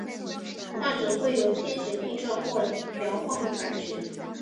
患者会有天旋地转或是摇晃的感觉。